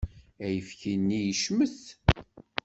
Ayefki-nni yecmet.